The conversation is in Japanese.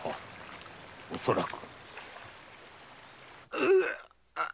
恐らく。